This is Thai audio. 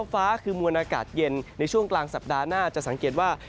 ฟ้าคือมวลอากาศเย็นในช่วงกลางสัปดาห์หน้าจะสังเกตว่า